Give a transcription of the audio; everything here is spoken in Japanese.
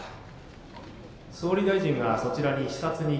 「総理大臣がそちらに視察に行きます」。